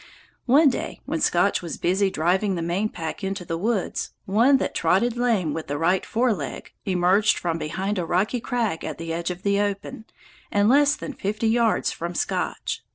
One day when Scotch was busy driving the main pack into the woods, one that trotted lame with the right fore leg emerged from behind a rocky crag at the edge of the open and less than fifty yards from Scotch.